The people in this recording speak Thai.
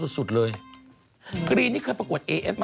โอเคหมดเวลาแล้วฮะ